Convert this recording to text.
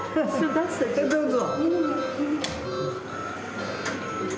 どうぞ。